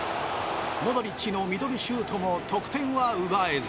モドリッチのミドルシュートも得点は奪えず。